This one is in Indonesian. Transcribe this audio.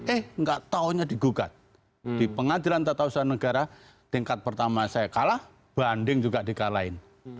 eh nggak taunya digugat di pengadilan tata usaha negara tingkat pertama saya kalah banding juga di kalahin